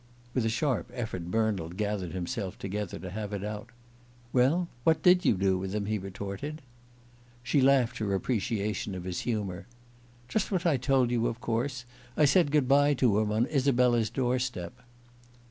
With a sharp effort Bernald gathered himself together to have it out. "Well, what did you do with him?" he retorted. She laughed her appreciation of his humour. "Just what I told you, of course. I said good bye to him on Isabella's door step."